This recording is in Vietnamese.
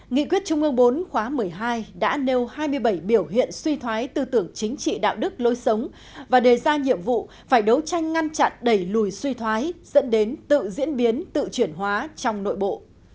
nghị quyết trung ương bốn khóa một mươi hai đã nêu hai mươi bảy biểu hiện suy thoái tư tưởng chính trị đạo đức lối sống và đề ra nhiệm vụ phải đấu tranh ngăn chặn đẩy lùi suy thoái dẫn đến tự diễn biến tự chuyển hóa trong nội bộ